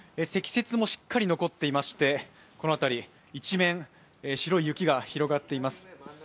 積雪もしっかり残っていまして、この辺り、一面、白い雪が広がっています。